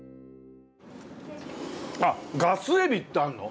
あっガスエビってあんの？